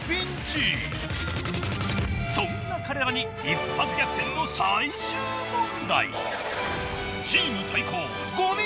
そんな彼らに一発逆転の最終問題。